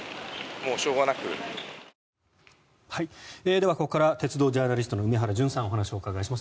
では、ここから鉄道ジャーナリストの梅原淳さんにお話をお伺いします。